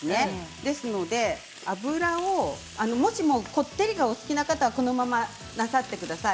ですのでもしも、こってりがお好きな方はこのままなさってください。